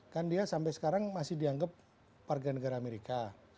kan dia sampai sekarang masih dianggap warganegara amerika